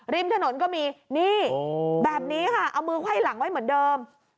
ริมถนนก็มีนี่แบบนี้ค่ะเอามือไขว้หลังไว้เหมือนเดิม